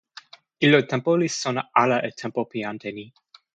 ilo tenpo li sona ala e tenpo pi ante ni.